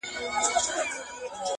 • لار سوه ورکه له سپاهیانو غلامانو,